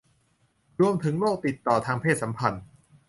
รวมถึงโรคติดต่อทางเพศสัมพันธ์